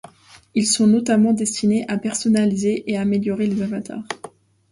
Ils sont notamment destinés à personnaliser et améliorer les avatars.